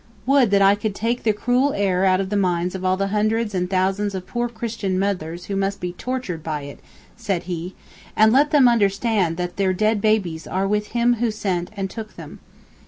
'Would that I could take the cruel error out of the minds of all the hundreds and thousands of poor Christian mothers who must be tortured by it,' said he, 'and let them understand that their dead babies are with Him who sent and who took them.